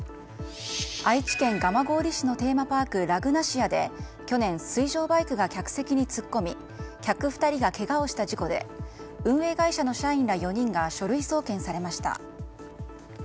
愛知県蒲郡市のテーマパークラグナシアで去年水上バイクが客席に突っ込み客２人がけがをした事故で運営会社の社員ら４人が書類送検されました。